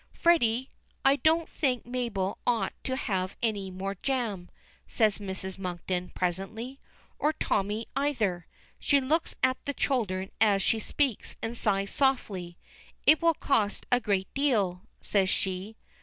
"Freddy, I don't think Mabel ought to have any more jam," says Mrs. Monkton, presently, "or Tommy either." She looks at the children as she speaks, and sighs softly. "It will cost a great deal," says she.